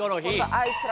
「あいつら」！？